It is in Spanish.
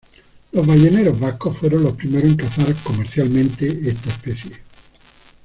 Los balleneros vascos fueron los primeros en cazar comercialmente esta especie.